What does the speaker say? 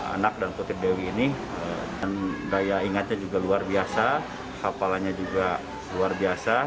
anak dan putri dewi ini dan daya ingatnya juga luar biasa hafalannya juga luar biasa